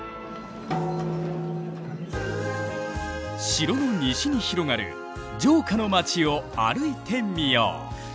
城の西に広がる城下の町を歩いてみよう。